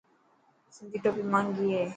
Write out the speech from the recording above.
سنڌي ٽوپي مهنگي هي.